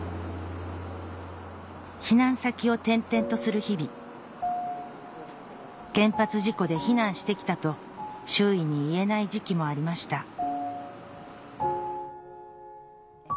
避難先を転々とする日々原発事故で避難して来たと周囲に言えない時期もありました